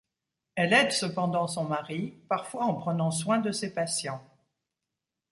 Elle aide cependant son mari, parfois en prenant soin de ses patients.